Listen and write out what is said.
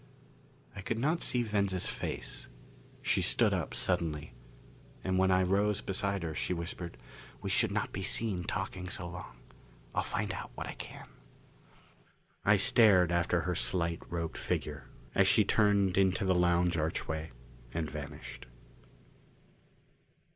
I could not see Venza's face; she stood up suddenly. And when I rose beside her, she whispered, "We should not be seen talking so long. I'll find out what I can." I stared after her slight robed figure as she turned into the lounge archway and vanished.